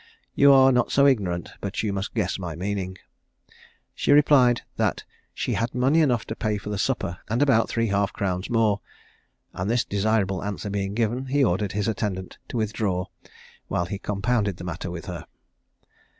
You are not so ignorant but you must guess my meaning.' She replied, 'that she had money enough to pay for the supper, and about three half crowns more;' and this desirable answer being given, he ordered his attendant to withdraw, while he compounded the matter with her.